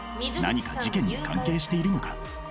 何か事件に関係しているのか？